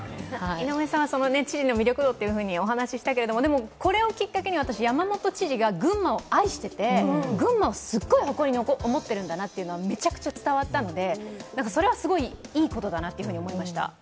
井上さんは知事の魅力度とお話しましたけど、でもこれをきっかけに私、山本知事が群馬を愛していて群馬をすっごい誇りに思ってるんだなと、めちゃめちゃ伝わったのでそれはいいことだなと思いました。